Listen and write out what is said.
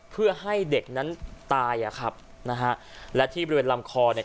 เพื่อให้เด็กนั้นตายอ่ะครับนะฮะและที่บริเวณลำคอเนี่ย